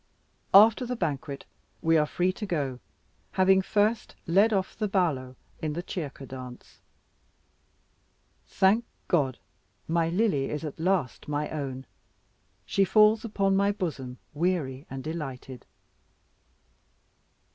After the banquet, we were free to go, having first led off the ballo in the Cerca dance. Thank God, my Lily is at last my own; she falls upon my bosom weary and delighted.